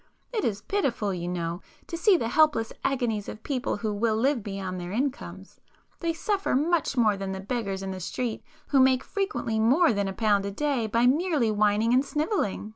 It is pitiful, you know, to see the helpless agonies of people who will live beyond their incomes,—they suffer much more than the beggars in the street who make frequently more than a pound a day by merely whining and snivelling.